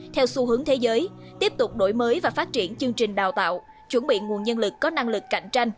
theo xu hướng thế giới tiếp tục đổi mới và phát triển chương trình đào tạo chuẩn bị nguồn nhân lực có năng lực cạnh tranh